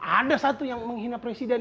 ada satu yang menghina presiden